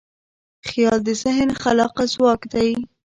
خیال د ذهن خلاقه ځواک دی.